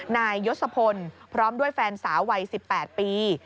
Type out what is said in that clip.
นายยศพลพร้อมด้วยแฟนสาววัย๑๘ปี